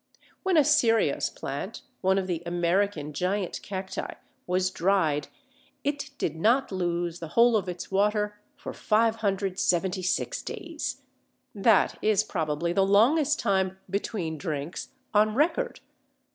When a Cereus plant (one of the American Giant Cacti) was dried, it did not lose the whole of its water for 576 days. That is probably the longest time "between drinks" on record.